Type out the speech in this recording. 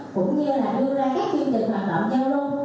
cũng như là đưa ra các chương trình hoạt động nhau luôn